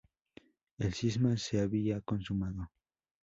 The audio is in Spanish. El cisma se había consumado.